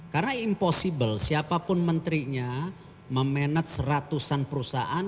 karena impossible siapapun menterinya memanajer ratusan perusahaan